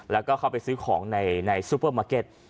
แล้วก็เข้าไปซื้อของในซูเปอร์มาร์เก็ต